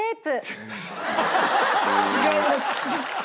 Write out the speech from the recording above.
違います。